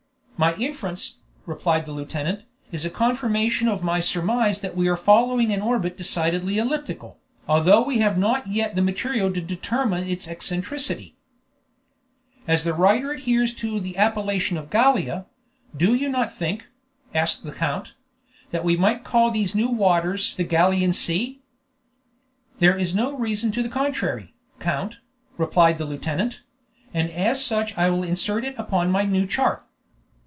"My inference," replied the lieutenant, "is a confirmation of my surmise that we are following an orbit decidedly elliptical, although we have not yet the material to determine its eccentricity." "As the writer adheres to the appellation of Gallia, do you not think," asked the count, "that we might call these new waters the Gallian Sea?" "There can be no reason to the contrary, count," replied the lieutenant; "and as such I will insert it upon my new chart."